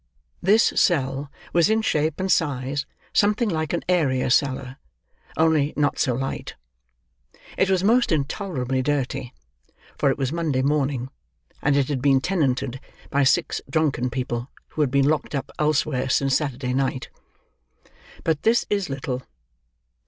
This cell was in shape and size something like an area cellar, only not so light. It was most intolerably dirty; for it was Monday morning; and it had been tenanted by six drunken people, who had been locked up, elsewhere, since Saturday night. But this is little.